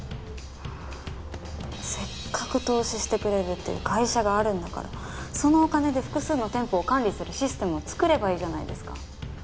せっかく投資してくれるっていう会社があるんだからそのお金で複数の店舗を管理するシステムを作ればいいじゃないですか。